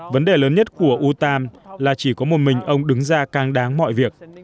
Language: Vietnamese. vấn đề lớn nhất của uttam là chỉ có một mình ông đứng ra càng đáng mọi việc